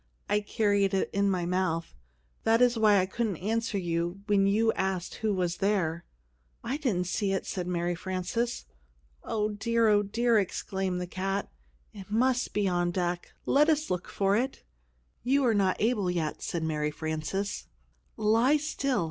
"I carried it in my mouth. That is why I couldn't answer you when you asked who was there." "I didn't see it," said Mary Frances. "Oh, dear, oh dear!" exclaimed the cat. "It must be on deck! Let us look for it!" "You are not able yet," said Mary Frances. "Lie still!